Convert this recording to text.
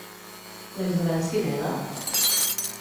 La Isabel s'hi nega?